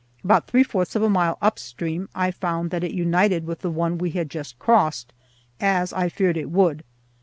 About three fourths of a mile upstream I found that it united with the one we had just crossed, as I feared it would.